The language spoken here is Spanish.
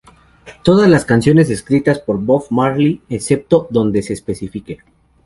Todas las canciones escritas por Bob Marley, excepto donde se especifique.